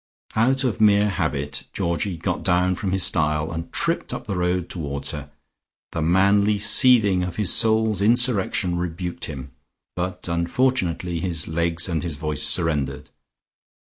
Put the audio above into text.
Out of mere habit Georgie got down from his stile, and tripped up the road towards her. The manly seething of his soul's insurrection rebuked him, but unfortunately his legs and his voice surrendered.